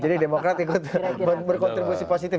jadi demokrat ikut berkontribusi positif